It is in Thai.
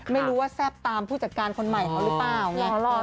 ไม่รู้ว่าแซ่บตามผู้จัดการคนใหม่เขาหรือเปล่าไง